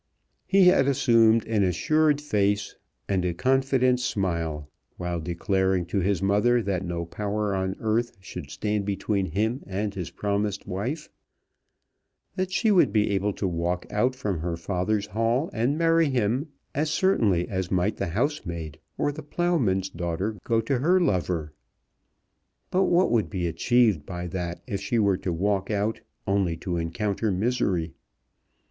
He had assumed an assured face and a confident smile while declaring to his mother that no power on earth should stand between him and his promised wife, that she would be able to walk out from her father's hall and marry him as certainly as might the housemaid or the ploughman's daughter go to her lover. But what would be achieved by that if she were to walk out only to encounter misery?